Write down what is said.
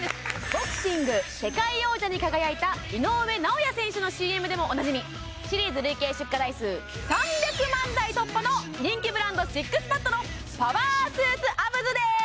ボクシング世界王者に輝いた井上尚弥選手のＣＭでもおなじみシリーズ累計出荷台数３００万台突破の人気ブランドＳＩＸＰＡＤのパワースーツアブズです！